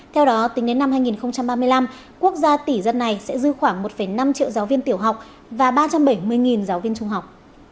theo đó tính đến năm hai nghìn ba mươi năm quốc gia tỷ dân này sẽ dư khoảng một năm triệu giáo viên tiểu học và ba trăm bảy mươi giáo viên trung học